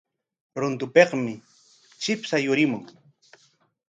Runtupikmi chipsha yurimun.